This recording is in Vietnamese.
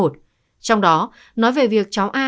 trong đó nói về việc cháu a